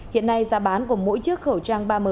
hiện nay giá bán của mỗi chiếc khẩu trang ba m